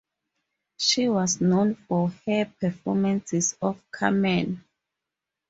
She was known for her performances of "Carmen".